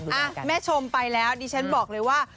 อ่ะแม่ชมไปแล้วดิฉันบอกเลยว่า